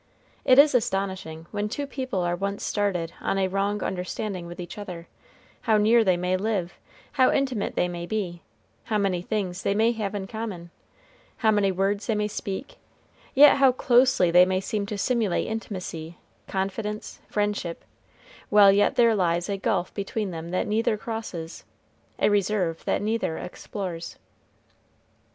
It is astonishing, when two people are once started on a wrong understanding with each other, how near they may live, how intimate they may be, how many things they may have in common, how many words they may speak, how closely they may seem to simulate intimacy, confidence, friendship, while yet there lies a gulf between them that neither crosses, a reserve that neither explores.